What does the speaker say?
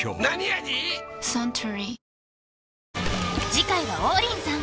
次回は王林さん